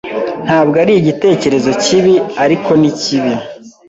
Ntabwo ari igitekerezo kibi, ariko ni kibi.